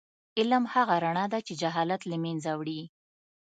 علم هغه رڼا ده چې جهالت له منځه وړي.